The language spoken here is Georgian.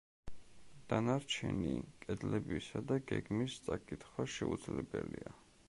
დანარჩენი კედლებისა და გეგმის წაკითხვა შეუძლებელია.